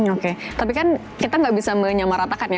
oke tapi kan kita nggak bisa menyamaratakan ya